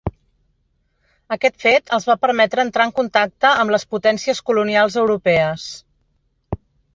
Aquest fet els va permetre entrar en contacte amb les potències colonials europees.